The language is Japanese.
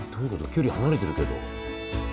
距離離れてるけど。